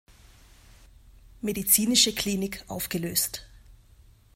Medizinische Klinik aufgelöst.